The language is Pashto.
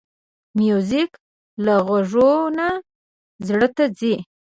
موزیک له غوږ نه زړه ته ځي.